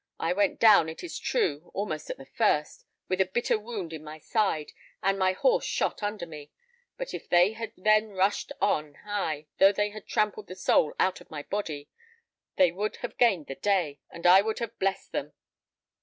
I went down, it is true, almost at the first, with a bitter wound in my side, and my horse shot under me; but if they had then rushed on ay, though they had trampled the soul out of my body they would have gained the day, and I would have blessed them.